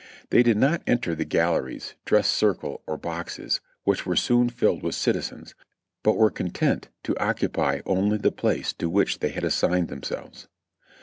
They did not enter the galleries, dress circle, or boxes, which were soon filled with citizens, but were content to occupy only the place to which they had assigned themselves.